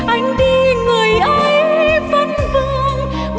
anh đi người ấy vấn vương